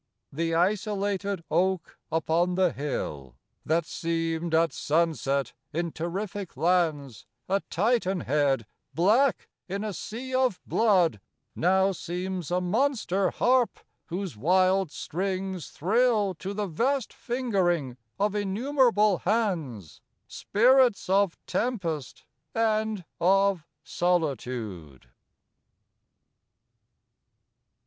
The isolated oak upon the hill, That seemed, at sunset, in terrific lands A Titan head black in a sea of blood, Now seems a monster harp, whose wild strings thrill To the vast fingering of innumerable hands Spirits of tempest and of solitude.